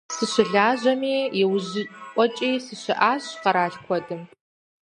СыщыщӀалэми иужьыӀуэкӀи сыщыӀащ къэрал куэдым.